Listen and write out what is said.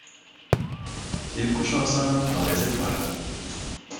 Ils couchent ensemble dans les étoiles.